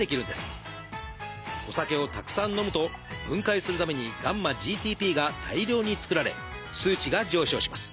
お酒をたくさん飲むと分解するためにγ−ＧＴＰが大量に作られ数値が上昇します。